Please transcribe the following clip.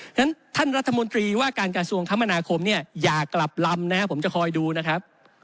ฉะนั้นท่านรัฐมนตรีว่าการกระทรวงคมนาคมเนี่ยอย่ากลับลำนะครับผมจะคอยดูนะครับ